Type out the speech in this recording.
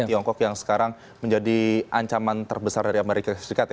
tiongkok yang sekarang menjadi ancaman terbesar dari amerika serikat